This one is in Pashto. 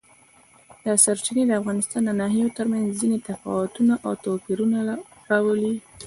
دا سرچینې د افغانستان د ناحیو ترمنځ ځینې تفاوتونه او توپیرونه راولي.